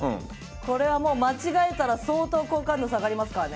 これはもう間違えたら相当好感度下がりますからね。